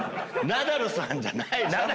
ナダルさんじゃない。